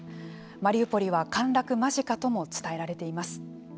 マリウポリは陥落間近とも伝えられています。